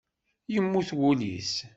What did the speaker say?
Yemmut wul-is.